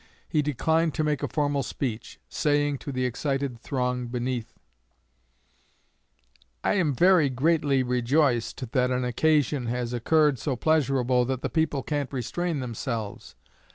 He declined to make a formal speech, saying to the excited throng beneath: I am very greatly rejoiced that an occasion has occurred so pleasurable that the people can't restrain themselves.